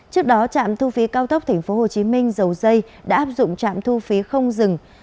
trước đó trạm thu phí cao tốc tp hcm dầu dây đã áp dụng trạm thu phí không dừng